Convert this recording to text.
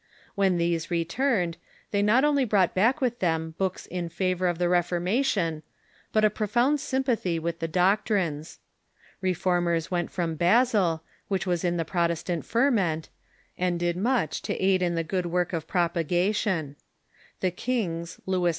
When these returned, they not only brought back with them books in favor of the Reforma tion, but a profound sympathy with the doctrines. Reformers went from Basel, which was in the Protestant ferment, and did much to aid in the good work of propagation. The kings Lewis II.